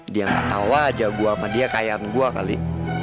dia gak tau aja gue sama dia kayaan gue kali